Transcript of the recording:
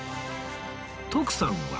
徳さんは